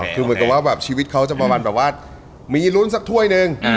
คือเหมือนกับว่าแบบชีวิตเขาจะประมาณแบบว่ามีลุ้นสักถ้วยหนึ่ง